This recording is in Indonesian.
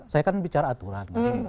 saya kan bicara aturan